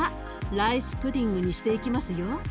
ライスプディングにしていきますよ。